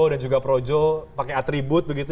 dan juga projo pakai atribut begitu